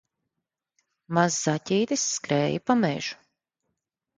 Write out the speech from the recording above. Mazs zaķītis skrēja pa mežu